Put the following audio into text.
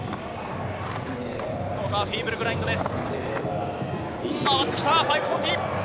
フィーブルグラインドです。